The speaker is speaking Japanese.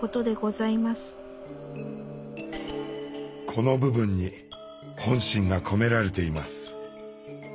この部分に本心が込められています。